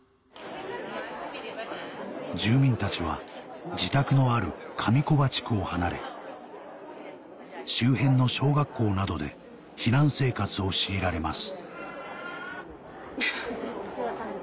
住民たちは自宅のある上木場地区を離れ周辺の小学校などで避難生活を強いられます